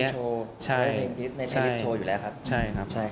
ทำเพลงโชว์ในเพลงลิสต์โชว์อยู่แล้วครับใช่ครับใช่ครับ